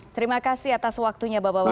terima kasih atas waktunya bapak bapak